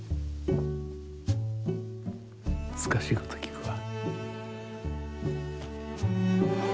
むずかしいこときくわ。